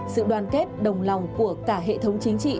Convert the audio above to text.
sự đoàn kết đồng lòng của cả hệ thống chính trị